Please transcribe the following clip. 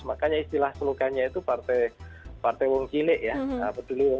makanya istilah seluganya itu partai wong kile